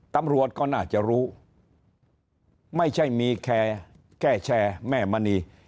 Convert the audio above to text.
ตำรวจก็น่าจะรู้ไม่ใช่มีแค่แชร์แม่มณี